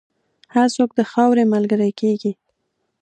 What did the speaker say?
هر څوک د خاورې ملګری کېږي.